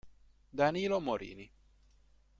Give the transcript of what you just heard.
Danilo Morini